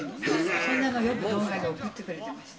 そんなの、よく動画で送ってくれました。